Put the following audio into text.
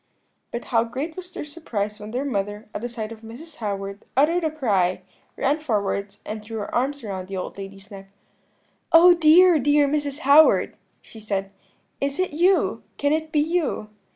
"But how great was their surprise when their mother, at the sight of Mrs. Howard, uttered a cry, ran forwards and threw her arms round the old lady's neck. "'Oh, dear, dear Mrs. Howard,' she said, 'is it you? Can it be you?'